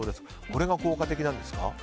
これが効果的なんですか？